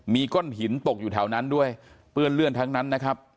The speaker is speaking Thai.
มีก้อนหินตกอยู่แถวนั้นด้วยเปื้อนเลื่อนทั้งนั้นนะครับ